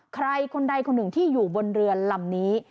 ใครคนใดคนหนึ่งที่อยู่บนเรือลำนี้